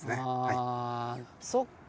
ああそっか